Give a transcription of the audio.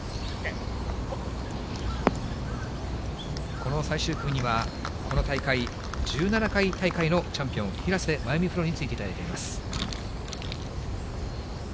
この最終組には、この大会、１７回大会のチャンピオン、ひろせまゆみぷろについていただいています。